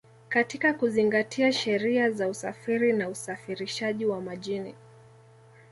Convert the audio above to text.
katika kuzingatia sheria za usafiri na usafirishaji wa majini